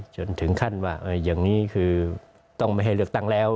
จนถึงขั้นว่าอย่างนี้คือต้องไม่ให้เลือกตั้งแล้ว